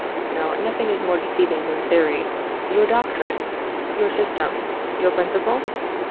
no, nothing is more deceiving than theory; your doctrine? your system? your principle?